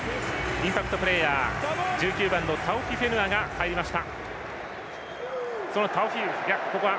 インパクトプレーヤー１９番のタオフィフェヌアが入りました。